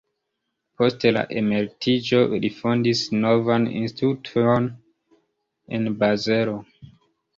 Post la emeritiĝo li fondis novan instituton en Bazelo.